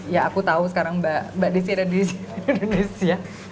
ya aku tahu sekarang mbak desi ada di indonesia